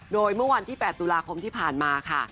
โดยเมื่อวันที่๘ตุลาคมที่ผ่านมาค่ะ